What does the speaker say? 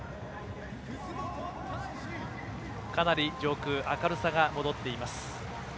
かなり上空、明るさが戻っています。